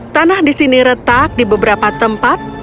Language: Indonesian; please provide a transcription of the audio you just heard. tanah di sini retak di beberapa tempat